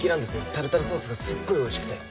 タルタルソースがすっごいおいしくて。